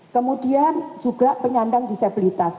kemudian juga penyandang disabilitas